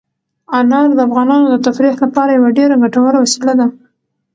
انار د افغانانو د تفریح لپاره یوه ډېره ګټوره وسیله ده.